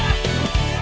saya yang menang